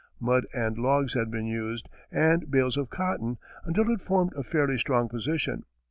Mud and logs had been used, and bales of cotton, until it formed a fairly strong position.